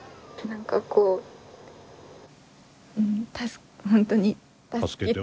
何かこう本当に助けて。